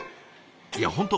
いや本当